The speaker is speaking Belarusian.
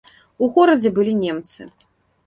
У горадзе былі немцы.